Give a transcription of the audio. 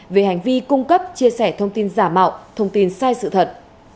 về hành vi cung cấp chia sẻ thông tin giả mạo thông tin sai sự thật